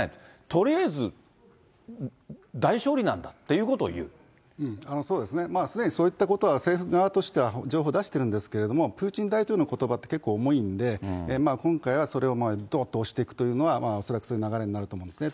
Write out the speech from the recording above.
とりあえず、大勝利なんだというそうですね、すでにそういったことは政府側としては情報出してるんですけど、プーチン大統領のことばって結構重いんで、今回はそれをどーっと押していくというのは、恐らくそういう流れになると思うんですね。